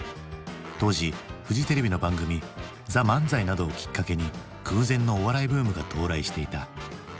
当時フジテレビの番組「ＴＨＥＭＡＮＺＡＩ」などをきっかけに空前のお笑いブームが到来していた。